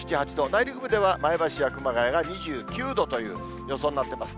内陸部では前橋や熊谷が２９度という予想になってます。